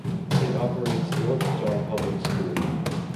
It operates North Star Public School.